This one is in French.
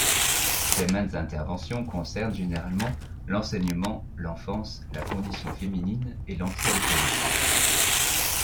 Ses maintes interventions concernent généralement l’enseignement, l’enfance, la condition féminine et l’antialcoolisme.